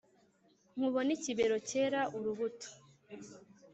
nkubone ikibero cyera urubuto